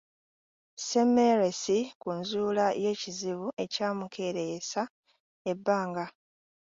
Semmelwesi ku nzuula y’ekizibu ekyamukeeyeresa ebbanga.